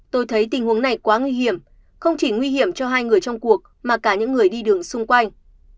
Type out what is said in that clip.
tôi thấy tình huống này quá nguy hiểm không chỉ nguy hiểm cho hai người trong cuộc mà cả những người đi đường xung quanh